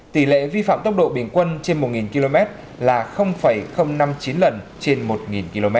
tỷ lệ vi phạm tốc độ bình quân trên một km là năm mươi chín lần trên một km